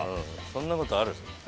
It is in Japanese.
そんなことある？